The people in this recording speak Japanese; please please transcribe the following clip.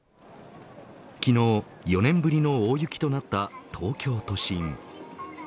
昨日４年ぶりの大雪となった東京都心。